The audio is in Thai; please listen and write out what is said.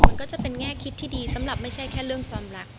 มันก็จะเป็นแง่คิดที่ดีสำหรับไม่ใช่แค่เรื่องความรัก